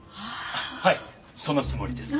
はいそのつもりです。